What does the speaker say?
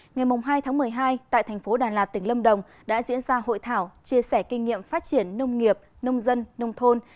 ngày hai tháng một mươi hai tại thành phố đà lạt tỉnh lâm đồng đã diễn ra hội thảo chia sẻ kinh nghiệm phát triển nông nghiệp nông dân nông thôn